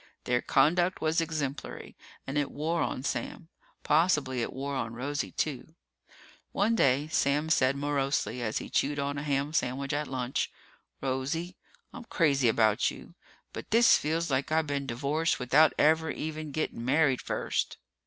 Their conduct was exemplary and it wore on Sam. Possibly it wore on Rosie, too. One day Sam said morosely, as he chewed on a ham sandwich at lunch, "Rosie, I'm crazy about you, but this feels like I been divorced without ever even getting married first."